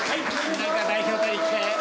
誰か代表取りに来て。